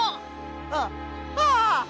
あっああ！